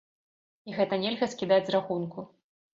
І гэта нельга скідаць з рахунку.